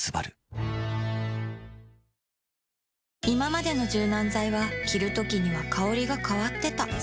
いままでの柔軟剤は着るときには香りが変わってた